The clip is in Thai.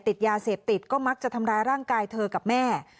ติดยาเสพติดก็มักจะทำร้ายร่างกายเธอกับแม่